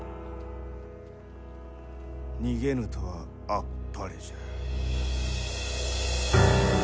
逃げぬとはあっぱれじゃ。